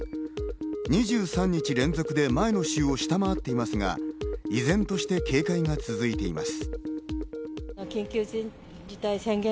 ２３日連続で前の週を下回っていますが、依然として警戒が続いています。